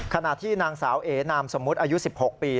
ขณะที่นางสาวเอนามสมมุติอายุ๑๖ปี